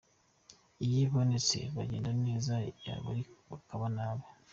Iyo ibonetse bugenda neza, yabura bikaba bibi.